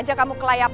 jangan longe cacup